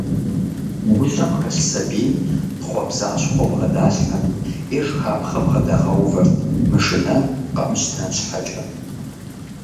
Гущэм хэлъ сэбийм, тхъуэбзащхъуэ бгъэдалъхьэрт, е жыхапхъэ бгъэдагъэувэрт мышынэн, къэмыщтэн щхьэкӏэ.